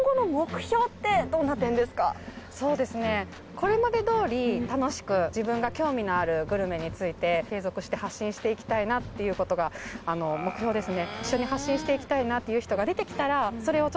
これまでどおり楽しく自分が興味のあるグルメについて継続して発信していきたいなっていう事が目標ですね。